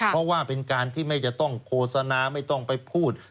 เพราะว่าเป็นการที่ไม่จะต้องโฆษณาไม่ต้องไปพูด